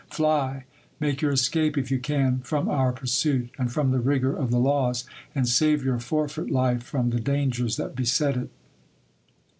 Fly ! make your escape, if you can, from our pursuit and from the rigour of the laws, and save your forfeit life from the dangers that beset it.